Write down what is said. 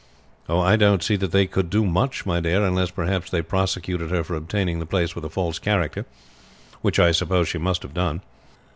"I don't see that they could do much, my dear, unless perhaps they prosecuted her for obtaining the place with a false character, which I suppose she must have done.